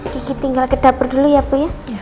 kiki tinggal ke dapur dulu ya bu